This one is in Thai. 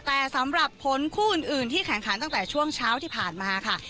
แต่สำหรับผลคู่อื่นที่แข่งขันตั้งแต่ช่วงเช้าที่ผ่านมาค่ะ